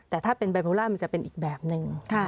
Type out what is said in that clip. แต่ถ้าเป็นไบโพล่ามันจะเป็นอีกแบบหนึ่ง